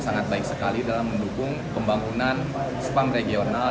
sangat baik sekali dalam mendukung pembangunan spam regional